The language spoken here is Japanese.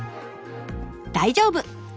大丈夫！